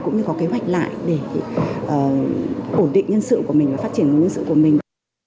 cũng như có kế hoạch lại để ổn định nhân sự của mình và phát triển nguồn nhân sự của mình